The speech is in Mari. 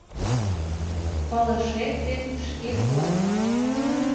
Пылышет ден шке кол».